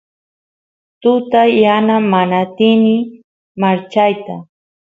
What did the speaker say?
tuta yana mana atini marchayta